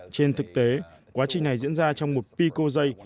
trên thực tế quá trình này diễn ra trong một pico dây